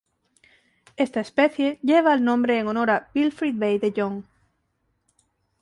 Esta especie lleva el nombre en honor a Wilfried W. de Jong.